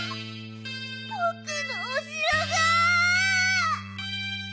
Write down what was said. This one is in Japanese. ぼくのおしろが！